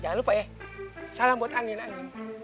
jangan lupa ya salam buat angin angin